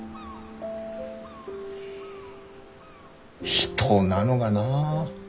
人なのがなあ。